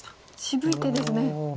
渋い手ですね。